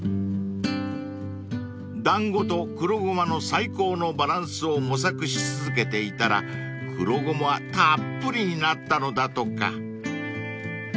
［団子と黒ゴマの最高のバランスを模索し続けていたら黒ゴマたっぷりになったのだとか］